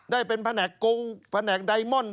ได้เป็นแผนกกงแผนกไดมอนด